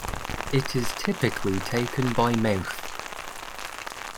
It is typically taken by mouth.